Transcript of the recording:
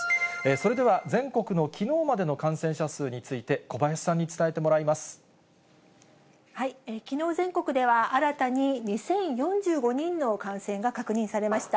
それでは、全国のきのうまでの感染者数について、きのう、全国では新たに２０４５人の感染が確認されました。